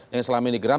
yang selama ini geram